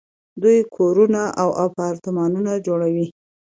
دوی کورونه او اپارتمانونه جوړوي.